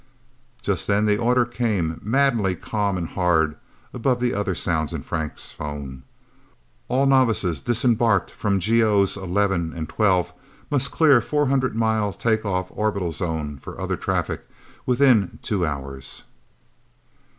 Just then the order came, maddeningly calm and hard above the other sounds in Frank's phone: "All novices disembarked from GOs 11 and 12 must clear four hundred mile take off orbital zone for other traffic within two hours."